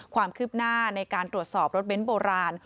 ความคืบหน้าในการตรวจสอบรถเบ้นโบราณ